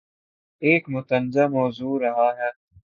ایک متنازعہ موضوع رہا ہے